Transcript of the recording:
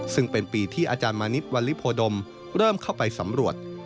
ซึ่งเป็นปีที่อาจารย์มานิดวัลลิโพดมเริ่มเข้าไปสำรวจ